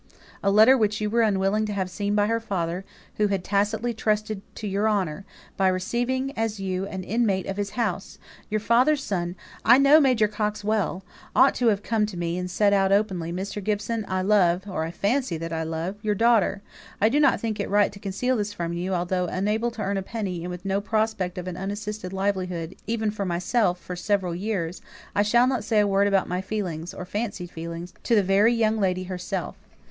"A letter which you were unwilling to have seen by her father, who had tacitly trusted to your honour, by receiving you as an inmate of his house. Your father's son I know Major Coxe well ought to have come to me, and have said out openly, 'Mr. Gibson, I love or I fancy that I love your daughter; I do not think it right to conceal this from you, although unable to earn a penny; and with no prospect of an unassisted livelihood, even for myself, for several years, I shall not say a word about my feelings or fancied feelings to the very young lady herself.'